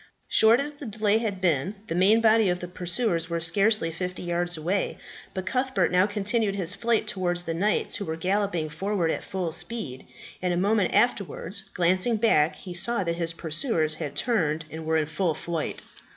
Short as the delay had been, the main body of the pursuers were scarcely fifty yards away; but Cuthbert now continued his flight towards the knights, who were galloping forward at full speed; and a moment afterwards glancing back, he saw that his pursuers had turned and were in full flight.